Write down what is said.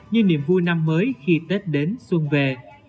như niềm vui năm mới khi tết đến xuân về